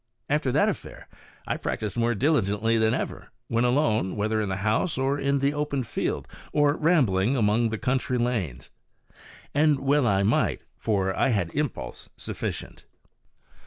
After that affair I practised more diligently than ever, when alone, whether in the house or in the open field, or rambling among country lanes. And well I might, for I had had impulse sufficient.